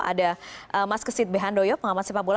ada mas kesit behandoyo pengamat sepak bola